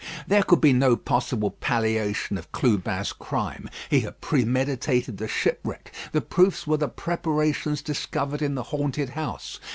There could be no possible palliation of Clubin's crime. He had premeditated the shipwreck; the proofs were the preparations discovered in the haunted house.